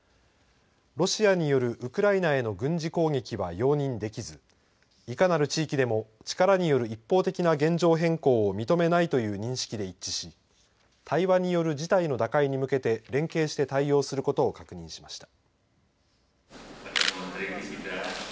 ロシアによるウクライナへの軍事攻撃は容認できずいかなる地域でも力による一方的な現状変更を認めないという認識で一致し対話による事態の打開に向けて連携して対応することを確認しました。